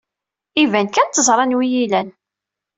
Iban kan teẓra anwa iyi-ilan.